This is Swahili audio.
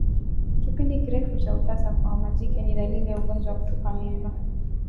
Kipindi kirefu cha utasa kwa majike ni dalili ya ugonjwa wa kutupa mimba